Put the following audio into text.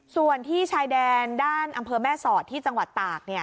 ส่วนที่ชายแดนด้านอำเภอแม่สอดที่จังหวัดตาก